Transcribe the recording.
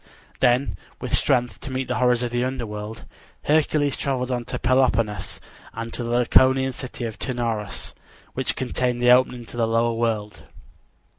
Then, with strength to meet the horrors of the underworld, Hercules traveled on to Peloponnesus, and to the Laconian city of Taenarus, which contained the opening to the lower world.